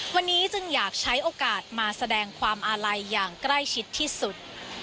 วันนี้จึงอยากใช้โอกาสมาแสดงความอาลัยอย่างใกล้ชิดที่สุด